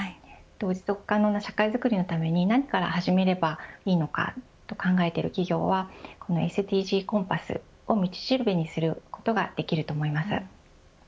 持続可能な社会づくりのために何から始めればいいのかと考えている企業はこのＳＤＧコンパスを道しるべにすることができると思います。